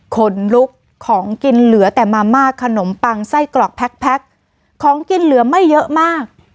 ขนลุกของกินเหลือแต่มาม่าขนมปังไส้กรอกแพ็คของกินเหลือไม่เยอะมาก